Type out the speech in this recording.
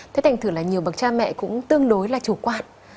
thế thành thử là nhiều bậc cha mẹ cũng tương đối là chủ quan